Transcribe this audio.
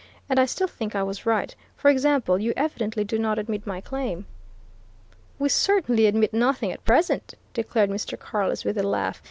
"And I still think I was right. For example, you evidently do not admit my claim?" "We certainly admit nothing, at present!" declared Mr. Carless with a laugh.